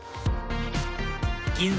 銀座